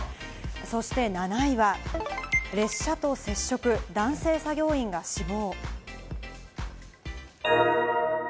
そして７位は、列車と接触、男性作業員が死亡。